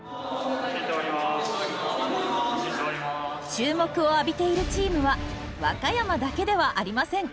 注目を浴びているチームは和歌山だけではありません。